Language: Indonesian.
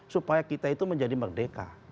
supaya kita itu menjadi merdeka